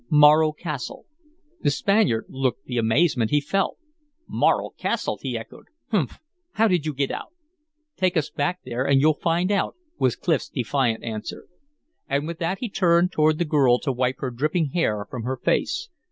"Morro Castle." The Spaniard looked the amazement he felt. "Morro Castle!" he echoed. "Humph! How did you get out?" "Take us back there and you'll find out," was Clif's defiant answer. And with that he turned toward the girl to wipe her dripping hair from her face.